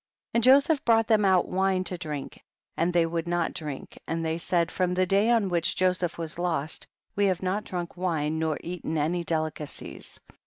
15. And Joseph brought them out wine to drink, and they would not drink, and they said, from the day on which Joseph was lost we have not drunk wine, nor eaten any de licacies.